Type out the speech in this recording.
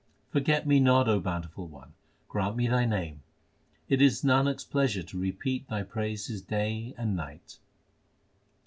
Forget me not, O Bountiful One ; grant me Thy name. It is Nanak s pleasure to repeat Thy praises day and night.